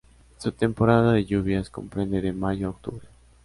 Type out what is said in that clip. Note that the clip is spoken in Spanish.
Su temporada de lluvias comprende de mayo a octubre.